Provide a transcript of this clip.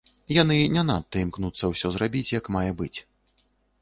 Яны не надта імкнуцца ўсё зрабіць як мае быць.